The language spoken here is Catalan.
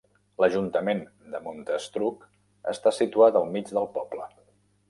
L'Ajuntament de Montastruc està situat al mig del poble.